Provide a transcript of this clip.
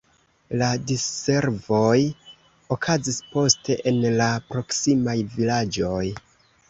La diservoj okazis poste en la proksimaj vilaĝoj.